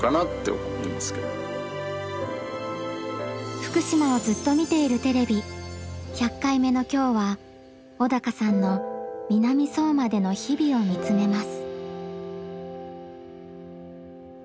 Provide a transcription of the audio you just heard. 「福島をずっと見ているＴＶ」１００回目の今日は小鷹さんの南相馬での日々を見つめます。